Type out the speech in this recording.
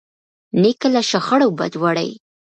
نیکه له شخړو بد وړي.